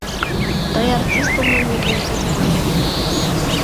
Тый артист улмем нерген ит мондо.